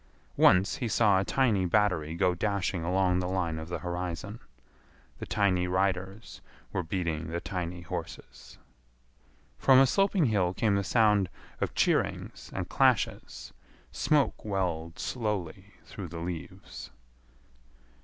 Once he saw a tiny battery go dashing along the line of the horizon. The tiny riders were beating the tiny horses. From a sloping hill came the sound of cheerings and clashes. Smoke welled slowly through the leaves.